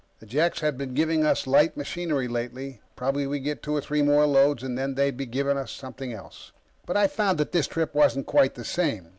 The Jeks had been giving us light machinery lately probably we'd get two or three more loads, and then they'd begin giving us something else. But I found that this trip wasn't quite the same.